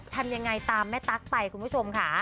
ทำยังไงตามแม่ตั๊กไปคุณผู้ชมค่ะ